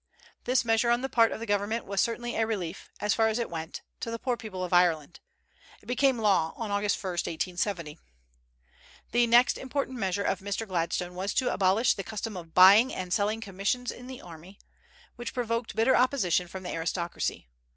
This measure on the part of the government was certainly a relief, as far as it went, to the poor people of Ireland. It became law on August 1, 1870. The next important measure of Mr. Gladstone was to abolish the custom of buying and selling commissions in the army, which provoked bitter opposition from the aristocracy.